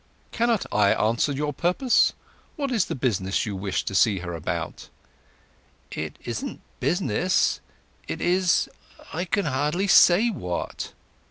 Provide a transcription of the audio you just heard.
"Cannot I answer your purpose? What is the business you wish to see her about?" "It isn't business—it is—I can hardly say what!"